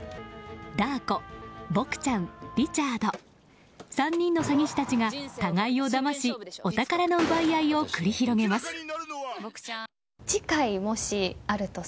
ダー子、ボクちゃん、リチャード３人の詐欺師たちが互いをだましお宝の奪い合いを繰り広げます。